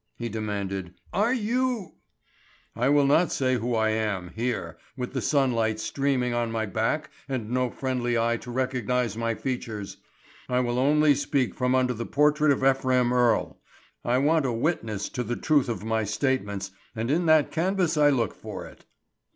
he demanded. "Are you——" "I will not say who I am, here, with the sunlight streaming on my back and no friendly eye to recognize my features. I will only speak from under the portrait of Ephraim Earle; I want a witness to the truth of my statements and in that canvas I look for it."